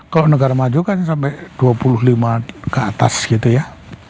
kalau negara maju kan sampai dua puluh lima ke atas gitu ya